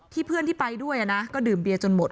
เพื่อนที่ไปด้วยนะก็ดื่มเบียจนหมด